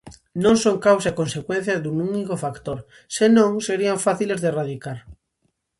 Non son causa e consecuencia dun único factor, senón serían fáciles de erradicar.